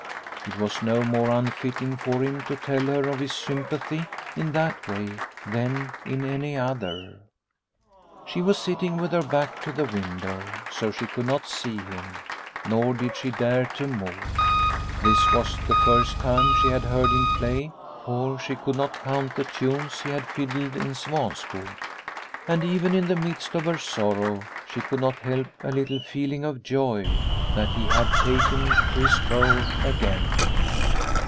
It was no more unfitting for him to tell her of his sympathy in that way than in any other. She was sitting with her back to the window, so she could not see him, nor did she dare to move. This was the first time she had heard him play, for she could not count the tunes he had fiddled in Svanskog. And even in the midst of her sorrow she could not help a little feeling of joy that he had taken to his bow again.